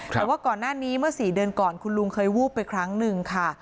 แต่ว่าก่อนหน้านี้เมื่อ๔เดือนก่อนคุณลุงเคยวูบไปครั้งหนึ่งค่ะ